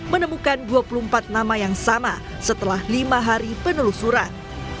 menemukan dua puluh empat nama yang sama setelah lima hari penelusuran